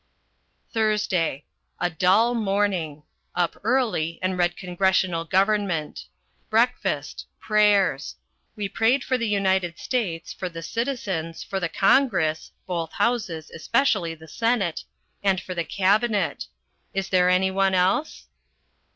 THURSDAY. A dull morning. Up early and read Congressional Government. Breakfast. Prayers. We prayed for the United States, for the citizens, for the Congress (both houses, especially the Senate), and for the Cabinet. Is there any one else?